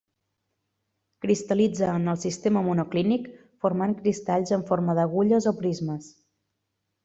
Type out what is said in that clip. Cristal·litza en el sistema monoclínic formant cristalls amb forma d'agulles o prismes.